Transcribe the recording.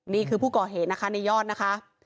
นี่คือผู้ก่อเหตุนะคะในยอดนะคะ